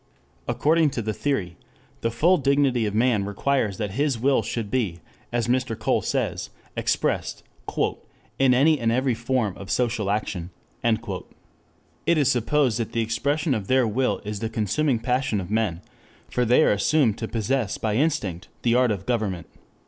According to the theory, the full dignity of man requires that his will should be, as Mr. Cole says, expressed "in any and every form of social action." It is supposed that the expression of their will is the consuming passion of men, for they are assumed to possess by instinct the art of government.